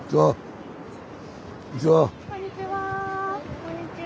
こんにちは。